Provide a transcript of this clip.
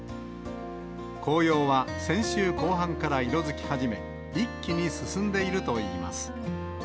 紅葉は先週後半から色づき始め、一気に進んでいるといいます。